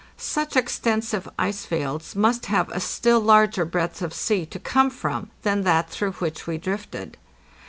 Such exten sive ice fields must have a still larger breadth of sea to come from than that through which we drifted.